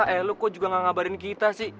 eh lu kok juga gak ngabarin kita sih